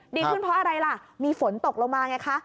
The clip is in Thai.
ดีขึ้นเพราะอะไรล่ะมีฝนตกลงมาไงคะ